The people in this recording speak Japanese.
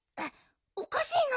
おかしいな。